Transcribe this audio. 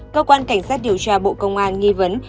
cơ quan cảnh sát điều tra bộ công an nghi vấn